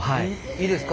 いいですか？